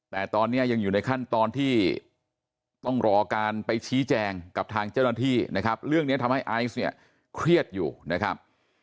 แต่ตอนนี้ยังอยู่ในขั้นตอนที่ต้องรอการไปชี้แจงกับทางเจ้าหน้าที่นะครับเรื่องนี้ทำให้ไอซ์เนี่ยเครียดอยู่นะครับ